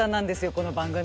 この番組。